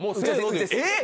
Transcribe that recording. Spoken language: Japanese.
えっ！